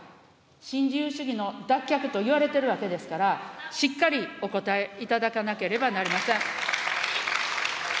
新自由主義の脱却と言われているわけですから、しっかりお答えいただかなければなりません。